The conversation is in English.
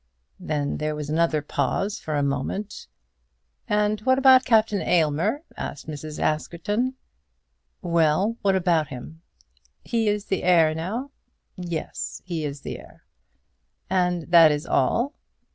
Then there was another pause for a moment. "And what about Captain Aylmer?" asked Mrs. Askerton. "Well; what about him?" "He is the heir now?" "Yes; he is the heir." "And that is all?"